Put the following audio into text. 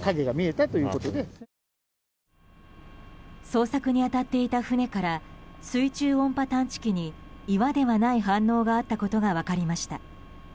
捜索に当たっていた船から水中音波探知機に岩ではない反応があったことが分かりました。